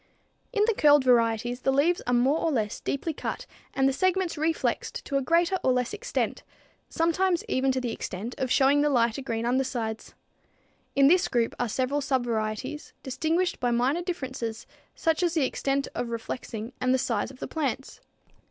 In the curled varieties the leaves are more or less deeply cut and the segments reflexed to a greater or less extent, sometimes even to the extent of showing the lighter green undersides. In this group are several subvarieties, distinguished by minor differences, such as extent of reflexing and size of the plants.